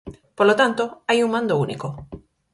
Polo tanto, hai un mando único.